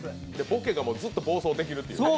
ボケがずっと暴走できるっていうね。